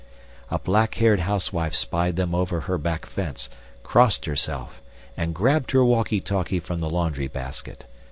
A black haired housewife spied them over her back fence, crossed herself and grabbed her walkie talkie from the laundry basket.